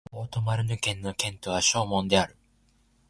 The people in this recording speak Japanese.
オート＝マルヌ県の県都はショーモンである